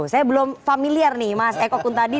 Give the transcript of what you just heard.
saya belum familiar nih mas eko kuntadi